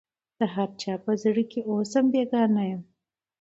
د هر چا په زړه کي اوسم بېګانه یم